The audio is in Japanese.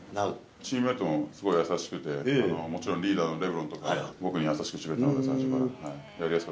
チームメートもすごい優しくて、もちろんリーダーのレブロンとか、僕に優しくしてくれた、最初から。